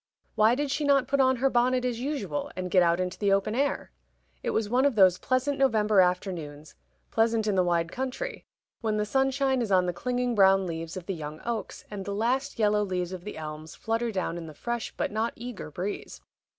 Why did she not put on her bonnet as usual and get out into the open air? It was one of those pleasant November afternoons pleasant in the wide country when the sunshine is on the clinging brown leaves of the young oaks, and the last yellow leaves of the elms flutter down in the fresh but not eager breeze.